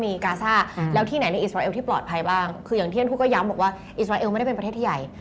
นี่คือสถานที่แต่คนอธิบายฟังถ้าเขาไปที่สมบัติภัณฑ์และที่ปลอดภัย